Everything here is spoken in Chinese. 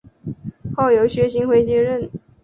后由薛星辉接任。